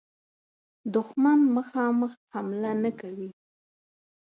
دښمن مخامخ حمله نه کوي.